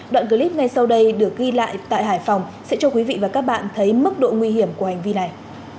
đoạn clip ngay sau đây được ghi lại tại hải phòng sẽ cho quý vị và các bạn thấy mức độ nguy hiểm của hành vi này